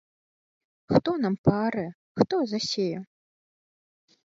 Хто нам паарэ, хто засее?!